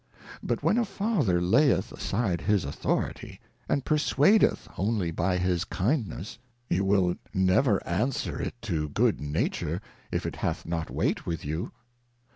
But when a Father layeth aside his Authority, and persuadeth only by his Kindness, you will never answer it to Good Nature, if it hath not weight with you.